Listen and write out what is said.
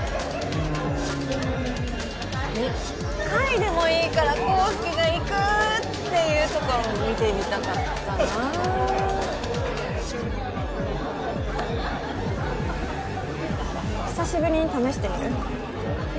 うん１回でもいいから康祐がいくっていうところ見てみたかったな久しぶりに試してみる？